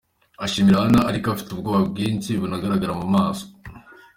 Ashimira Anna ariko afite ubwoba bwinshi bunagaragara mu maso.